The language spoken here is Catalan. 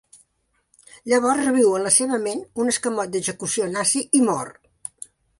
Llavors reviu en la seva ment un escamot d'execució nazi i mor.